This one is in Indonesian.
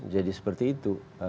jadi seperti itu